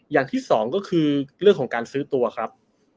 อย่างที่สองก็คือเรื่องของการซื้อตัวครับ